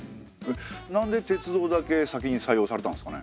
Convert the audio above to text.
なんで鉄道だけ先に採用されたんですかね？